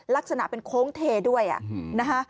ลักษณะเป็นโค้งเทด้วยนะคะ